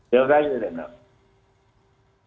jangan lupa like share dan subscribe